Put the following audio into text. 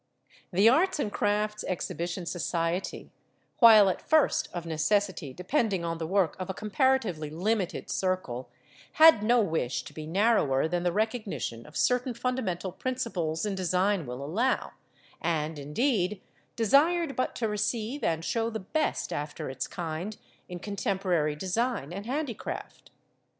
The Arts and Crafts Exhibition Society, while at first, of necessity, depending on the work of a comparatively limited circle, had no wish to be narrower than the recognition of certain fundamental principles in design will allow, and, indeed, desired but to receive and to show the best after its kind in contemporary design and handicraft.